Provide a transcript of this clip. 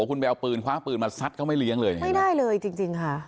คุณไปเอาปืนคว้าปืนมาซัดเขาไม่เลี้ยงเลยเนี่ยไม่ได้เลยจริงจริงค่ะ